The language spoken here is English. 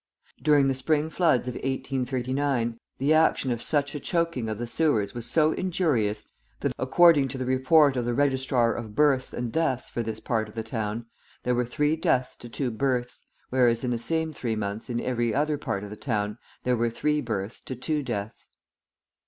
During the spring floods of 1839 the action of such a choking of the sewers was so injurious, that, according to the report of the Registrar of Births and Deaths for this part of the town, there were three deaths to two births, whereas in the same three months, in every other part of the town, there were three births to two deaths.